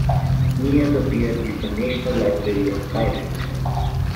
Near the pier is the National Library of Thailand.